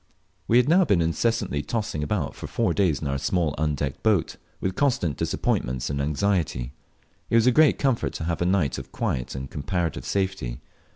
We had now been incessantly tossing about for four days in our small undecked boat, with constant disappointments and anxiety, and it was a great comfort to have a night of quiet and comparative safety.